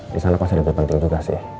di sana pasti lebih penting juga sih